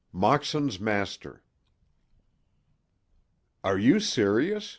MOXON'S MASTER "ARE you serious?